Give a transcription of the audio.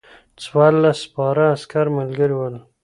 څوارلس سپاره عسکر ملګري ول.